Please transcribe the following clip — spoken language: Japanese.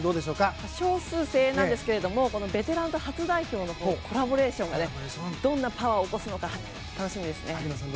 少数精鋭なんですがベテランと初代表のコラボレーションがどんなパワーを起こすのか楽しみですね。